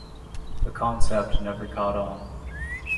The concept never caught on.